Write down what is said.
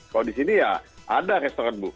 kalau di sini ya ada restoran bu